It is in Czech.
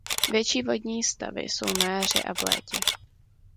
Větší vodní stavy jsou na jaře a v létě.